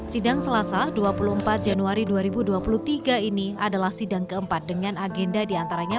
sidang selasa dua puluh empat januari dua ribu dua puluh tiga ini adalah sidang keempat dengan agenda diantaranya